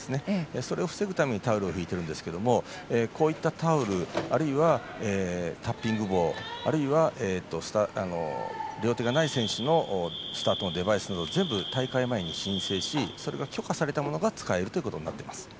それを防ぐためにタオルを敷いてるんですけどもこういったタオルあるいはタッピング棒あるいは両手がない選手のスタートのデバイスを全部、大会前に申請し許可されたものが使えるということになっています。